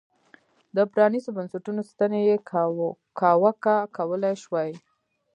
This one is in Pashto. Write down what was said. د پرانیستو بنسټونو ستنې یې کاواکه کولای شوای.